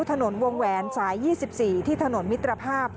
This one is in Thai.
ถนนวงแหวนสาย๒๔ที่ถนนมิตรภาพ